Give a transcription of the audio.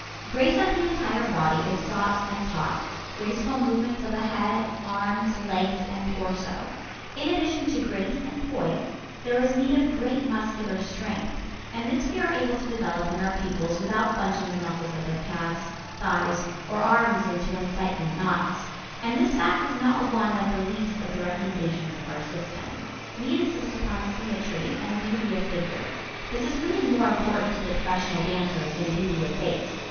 Grace of the entire body is sought and taught, graceful movements of the head, arms, legs and torso. In addition to grace and poise, there is need of great muscular strength, and this we are able to develop in our pupils without bunching the muscles of their calves, thighs or arms into unsightly knots. And this fact is not one of the least of the recommendations of our system. We insist upon symmetry and beauty of figure. This is really more important to the professional dancer than beauty of face.